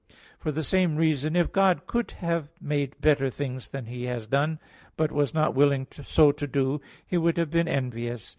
For the same reason, if God could have made better things than He has done, but was not willing so to do, He would have been envious.